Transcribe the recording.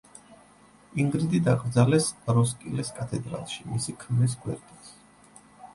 ინგრიდი დაკრძალეს როსკილეს კათედრალში, მისი ქმრის გვერდით.